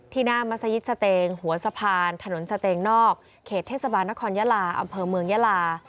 หน้ามัศยิตสเตงหัวสะพานถนนสเตงนอกเขตเทศบาลนครยาลาอำเภอเมืองยาลา